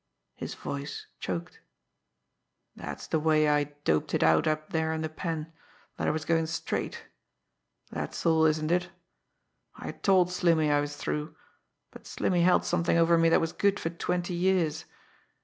His voice choked. "That's the way I had doped it out up there in the pen that I was goin' straight. That's all, isn't it? I told Slimmy I was through but Slimmy held something over me that was good for twenty years.